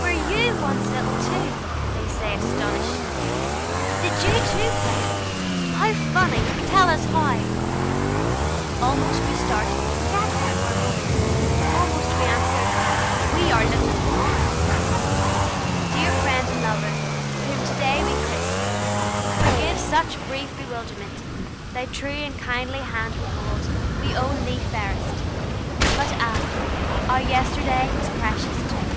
"Were you once little too?" they say, astonished; "Did you too play? How funny! tell us how." Almost we start, forgetful for a moment; Almost we answer, "We are little now!" Dear friend and lover, whom to day we christen, Forgive such brief bewilderment, thy true And kindly hand we hold; we own thee fairest. But ah! our yesterday was precious too.